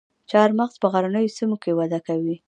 چهارمغز په غرنیو سیمو کې وده کوي